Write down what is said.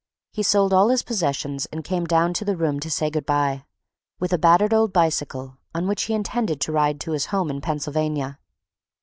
He sold all his possessions and came down to the room to say good by, with a battered old bicycle, on which he intended to ride to his home in Pennsylvania.